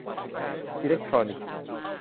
อิเล็กทรอนิกส์